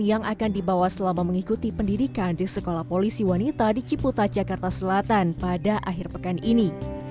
yang akan dibawa selama mengikuti pendidikan di sekolah polisi wanita di ciputa jakarta selatan pada akhir pekan ini